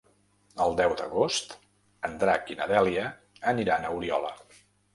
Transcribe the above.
El deu d'agost en Drac i na Dèlia aniran a Oriola.